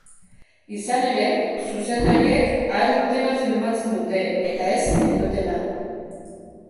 Izan ere, zuzendariek ahal dutena filmatzen dute eta ez nahi dutena.